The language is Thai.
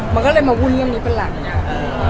มันก็เลยมาวุ่นเรื่องนี้เป็นหลักอย่างนี้